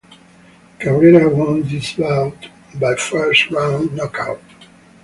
Cabrera won this bout by first round knockout.